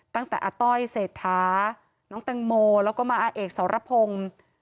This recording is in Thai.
ตั้งแต่อาต้อยเศรษฐาน้องแตงโมแล้วก็มาอาเอกสรพงศ์